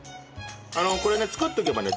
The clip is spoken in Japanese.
これね作っとけばね